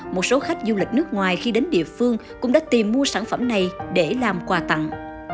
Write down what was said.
một số khách du lịch nước ngoài khi đến địa phương cũng đã tìm mua sản phẩm này để làm quà tặng